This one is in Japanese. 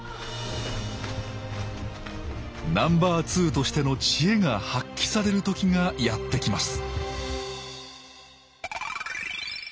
ナンバーツーとしての知恵が発揮される時がやって来ます